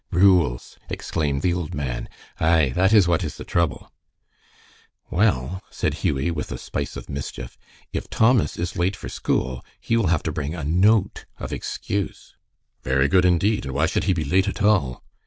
"Rules!" exclaimed the old man. "Ay, that is what is the trouble." "Well," said Hughie, with a spice of mischief, "if Thomas is late for school he will have to bring a note of excuse." "Very good indeed. And why should he be late at all?"